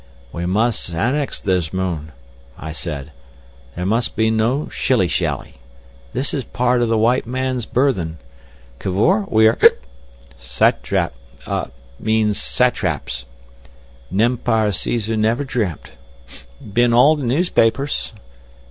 "We must annex this moon," I said. "There must be no shilly shally. This is part of the White Man's Burthen. Cavor—we are—hic—Satap—mean Satraps! Nempire Cæsar never dreamt. B'in all the newspapers.